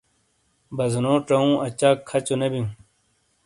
بازونو چاوؤں اچاک کھچو نے بیوں۔